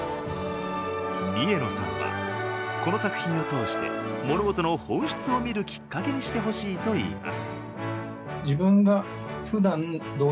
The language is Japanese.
三重野さんは、この作品を通して物事の本質を見るきっかけにしてほしいといいます。